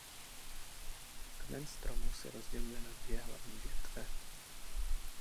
Kmen stromu se rozděluje na dvě hlavní větve.